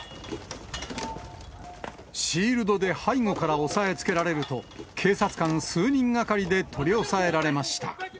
シールドで背後から押さえつけられると、警察官数人がかりで取り押さえられました。